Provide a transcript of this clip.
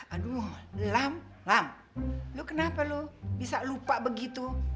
aduh lam lam lu kenapa lo bisa lupa begitu